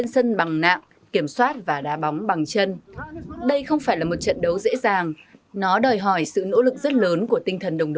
xin kính chào tạm biệt và hẹn gặp lại